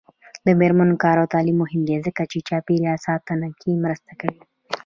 د میرمنو کار او تعلیم مهم دی ځکه چې چاپیریال ساتنه کې مرسته کوي.